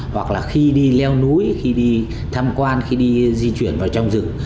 hoặc là khi đi leo núi khi đi tham quan khi đi di chuyển vào trong rừng